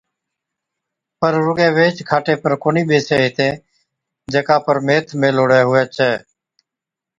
پر رُگِي ويهچ کاٽي پر ڪونھِي ٻيسين ھِتين جڪا ميٿ ميھلوڙِي ھُوَي ڇَي